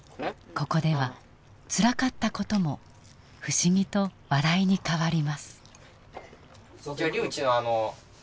ここではつらかった事も不思議と笑いに変わります。